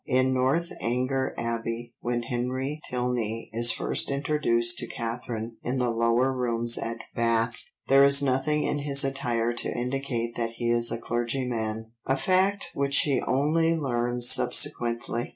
In Northanger Abbey when Henry Tilney is first introduced to Catherine in the Lower Rooms at Bath, there is nothing in his attire to indicate that he is a clergyman, a fact which she only learns subsequently.